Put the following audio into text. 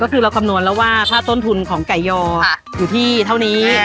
ก็คือเราคำนวณแล้วว่าถ้าต้นทุนของไก่ยออยู่ที่เท่านี้